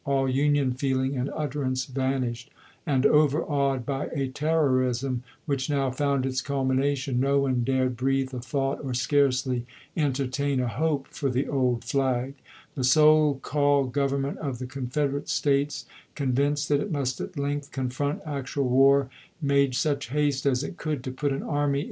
All Union feeling and utterance vanished ; and, overawed by a terrorism which now found its culmination, no one dared breathe a thought or scarcely entertain a hope for the old flag. The so called Government of the Confederate States, convinced that it must at length confront actual war, made such haste as it could to put an army in 88 ABEAHAM LINCOLN Chap. V.